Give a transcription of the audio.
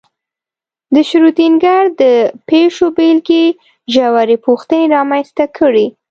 د شرودینګر د پیشو بېلګې ژورې پوښتنې رامنځته کړې.